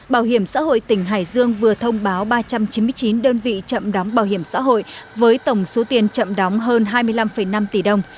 bảo hiểm xã hội tỉnh hải dương vừa thông báo ba trăm chín mươi chín đơn vị chậm đóng bảo hiểm xã hội với tổng số tiền chậm đóng hơn hai mươi năm năm tỷ đồng